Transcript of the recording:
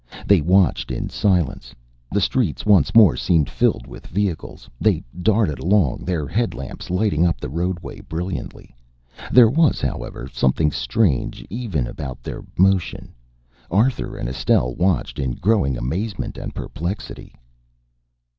They watched in silence. The streets once more seemed filled with vehicles. They darted along, their headlamps lighting up the roadway brilliantly. There was, however, something strange even about their motion. Arthur and Estelle watched in growing amazement and perplexity.